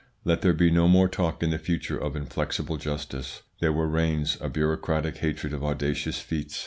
"Let there be no more talk in the future of inflexible justice, there where reigns a bureaucratic hatred of audacious feats.